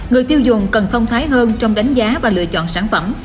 người tiêu dùng cần thông thái hơn trong đánh giá và lựa chọn sản phẩm